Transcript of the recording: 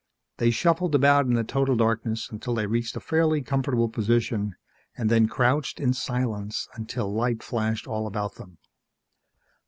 They shuffled about in the total darkness until they reached a fairly comfortable position and then crouched in silence until light flashed all about them.